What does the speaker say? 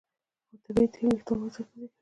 طبیعي تېل وېښتيان تغذیه کوي.